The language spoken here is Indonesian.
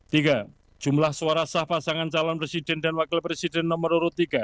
tiga jumlah suara sah pasangan calon presiden dan wakil presiden nomor urut tiga